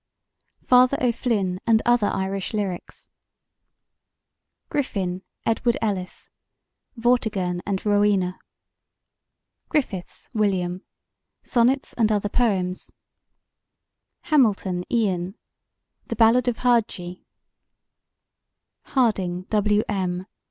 Father O'Flynn and Other Irish Lyrics GRIFFIN, EDWIN ELLIS: Vortigern and Rowena GRIFFITHS, WILLIAM: Sonnets and Other Poems HAMILTON, IAN: The Ballad of Hadji HARDINGE, W. M.